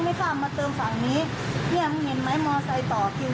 ผู้ชายคนนี้เหงื่อลักษณะจะยุ้กน้อง